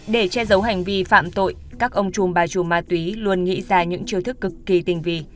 để che giấu hành vi phạm tội các ông chung bà trù ma túy luôn nghĩ ra những chiêu thức cực kỳ tình vị